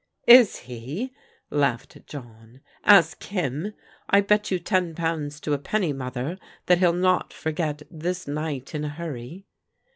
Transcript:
"Is he?" laughed John. Ask him. I bet you ten pounds to a penny. Mother, that he'll not forget this night in a hurry."